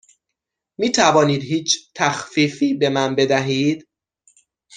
می توانید هیچ تخفیفی به من بدهید؟